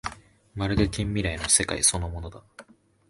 まるで近未来の世界そのものだ